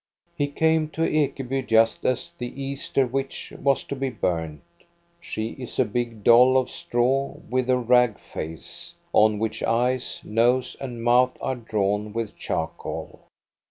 He came to Ekeby just as the Easter witch was to be burned. She is a big doll of straw, with a rag face, on which eyes, nose, and mouth are drawn with charcoal.